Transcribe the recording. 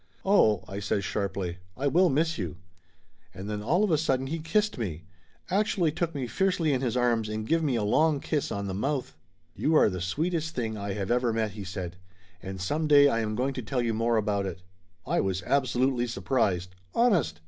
"Oh !" I says sharply. "I will miss you !" And then all of a sudden he kissed me; actually took me fiercely in his arms and give me a long kiss on the mouth. 72 Laughter Limited "You are the sweetest thing I have ever met!" he said. "And some day I am going to tell you more about it!" I was absolutely surprised. Honest!